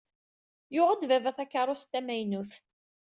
Yuɣ-d baba takarust tamaynut.